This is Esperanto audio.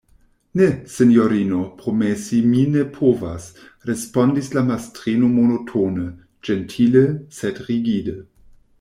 Ne, sinjorino, promesi mi ne povas, respondis la mastrino monotone, ĝentile, sed rigide.